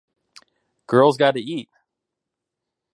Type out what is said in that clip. Girl's gotta eat!